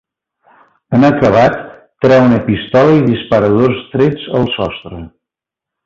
En acabat, treu una pistola i dispara dos trets al sostre.